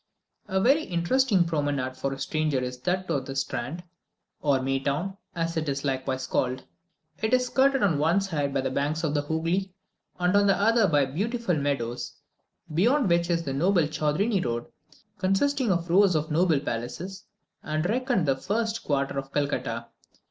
A very interesting promenade for a stranger is that to the Strand, or "Maytown," as it is likewise called. It is skirted on one side by the banks of the Hoogly, and on the other by beautiful meadows, beyond which is the noble Chaudrini Road, consisting of rows of noble palaces, and reckoned the finest quarter of Calcutta.